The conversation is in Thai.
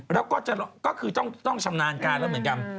แล้วก็ก็คือต้องชำนาญการแล้วเหมือนกัน